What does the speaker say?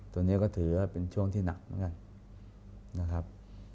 ตรงนี้ก็ถือว่าเป็นช่วงที่หนักนะครับ